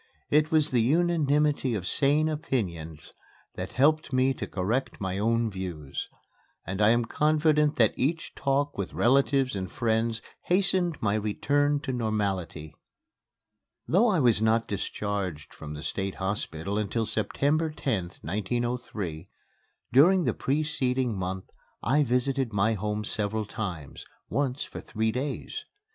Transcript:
It was the unanimity of sane opinions that helped me to correct my own views; and I am confident that each talk with relatives and friends hastened my return to normality. Though I was not discharged from the State Hospital until September 10th, 1903, during the preceding month I visited my home several times, once for three days.